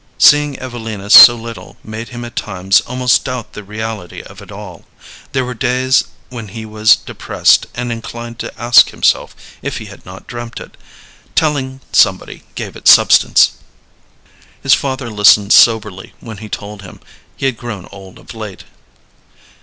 Seeing Evelina so little made him at times almost doubt the reality of it all. There were days when he was depressed, and inclined to ask himself if he had not dreamed it. Telling somebody gave it substance. His father listened soberly when he told him; he had grown old of late.